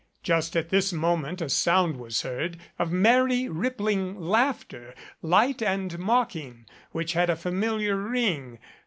Just at this moment a sound 207 MADCAP was heard, of merry, rippling laughter, light and mock ing, which had a familiar ring.